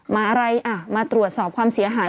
อะไรอ่ะมาตรวจสอบความเสียหาย